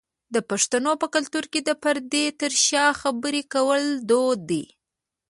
د پښتنو په کلتور کې د پردې تر شا خبری کول دود دی.